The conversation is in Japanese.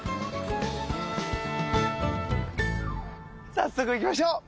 早速行きましょう！